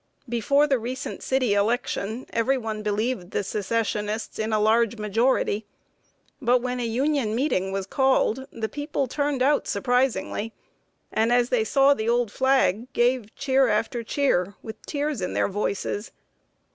Before the recent city election, every one believed the Secessionists in a large majority; but, when a Union meeting was called, the people turned out surprisingly, and, as they saw the old flag, gave cheer after cheer, "with tears in their voices."